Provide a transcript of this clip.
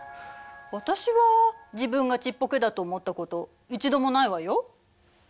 私は自分がちっぽけだと思ったこと一度もないわよ。